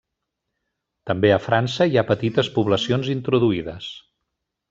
També a França hi ha petites poblacions introduïdes.